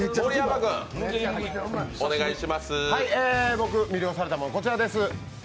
僕、魅了されたものはこちらです。